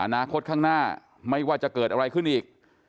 อนาคตข้างหน้าไม่ว่าจะเกิดอะไรขึ้นอีก